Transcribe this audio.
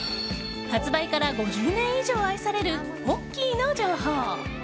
発売から５０年以上愛されるポッキーの情報。